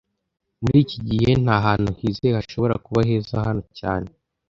Muri iki gihe, ntahantu hizewe hashobora kuba heza hano cyane